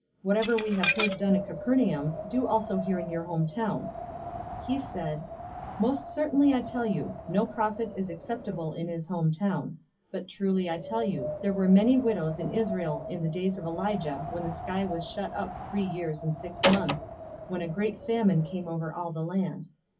Whatever we have heard done at Capernaum, do also here in your hometown.'" 004:024 He said, "Most certainly I tell you, no prophet is acceptable in his hometown. 004:025 But truly I tell you, there were many widows in Israel in the days of Elijah, when the sky was shut up three years and six months, when a great famine came over all the land.